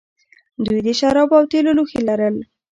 دوی د شرابو او تیلو لوښي لرل